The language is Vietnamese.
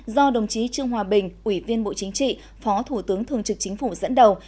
do đồng chí trương hòa bình ủy viên bộ chính trị phó thủ tướng thường trực chính phủ dẫn đầu